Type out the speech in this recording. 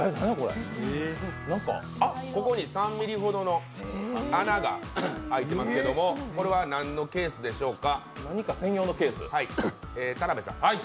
ここに３ｍｍほどの穴が開いていますけれどもこれは何のケースでしょうか。